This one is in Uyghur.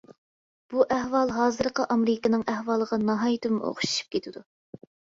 بۇ ئەھۋال ھازىرقى ئامېرىكىنىڭ ئەھۋالىغا ناھايىتىمۇ ئوخشىشىپ كېتىدۇ.